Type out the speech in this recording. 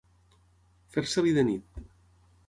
Fer-se-li de nit.